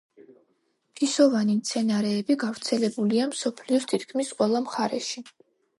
ფისოვანი მცენარეები გავრცელებულია მსოფლიოს თითქმის ყველა მხარეში.